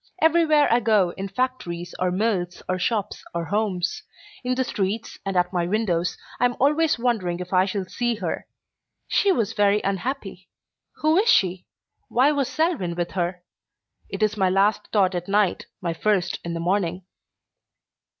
Everywhere I go, in factories or mills or shops or homes; in the streets, and at my windows, I am always wondering if I shall see her. She was very unhappy. Who is she? Why was Selwyn with her? It is my last thought at night, my first in the morning.